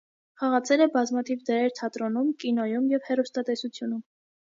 Խաղացել է բազմաթիվ դերեր թատրոնում, կինոյում և հեռուստատեսությունում։